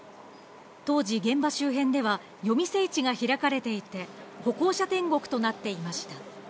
当時、現場周辺では、夜店市が開かれていて、歩行者天国となっていました。